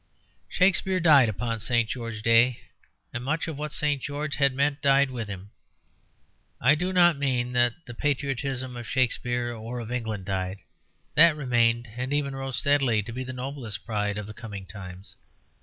Shakespeare died upon St. George's Day, and much of what St. George had meant died with him. I do not mean that the patriotism of Shakespeare or of England died; that remained and even rose steadily, to be the noblest pride of the coming times.